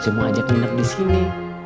saya mau ajak minat di sini